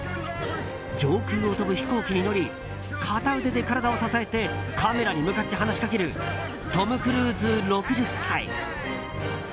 上空を飛ぶ飛行機に乗り片腕で体を支えてカメラに向かって話しかけるトム・クルーズ、６０歳。